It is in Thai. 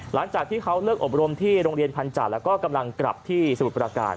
หลังจากที่เขาเลิกอบรมที่โรงเรียนพันจัดแล้วก็กำลังกลับที่สมุทรประการ